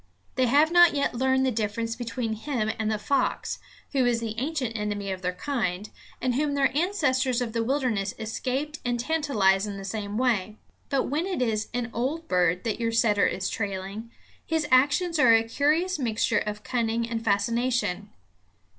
They have not yet learned the difference between him and the fox, who is the ancient enemy of their kind, and whom their ancestors of the wilderness escaped and tantalized in the same way. But when it is an old bird that your setter is trailing, his actions are a curious mixture of cunning and fascination.